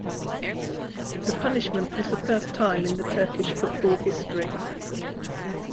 The punishment was the first time in the Turkish football history.